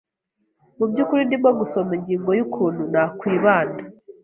Mu byukuri ndimo gusoma ingingo yukuntu nakwibanda.